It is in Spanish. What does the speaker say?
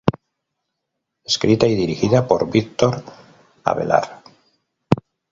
Escrita y dirigida por Víctor Avelar.